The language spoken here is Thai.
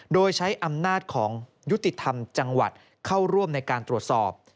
โดยใช้อำนาจของยุติธรรมจังหวัดเข้าร่วมในการตรวจสอบ